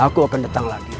aku akan datang lagi